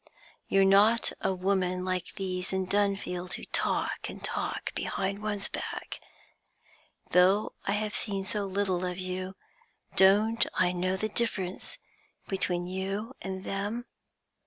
You're not a woman like these in Dunfield who talk and talk behind one's back; though I have seen so little of you, don't I know the difference between you and them?